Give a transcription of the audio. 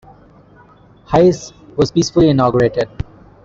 Hayes was peacefully inaugurated.